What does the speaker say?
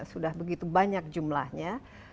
sudah begitu banyak jumlahnya